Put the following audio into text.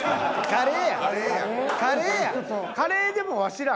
カレーや。